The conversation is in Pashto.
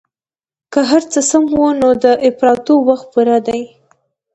که هرڅه سم وو نو د اپراتو وخت پوره ديه.